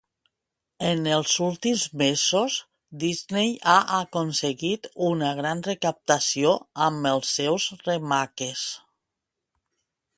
En els últims mesos, Disney ha aconseguit una gran recaptació amb els seus remakes.